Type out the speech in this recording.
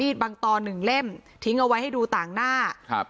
บางตอนหนึ่งเล่มทิ้งเอาไว้ให้ดูต่างหน้าครับ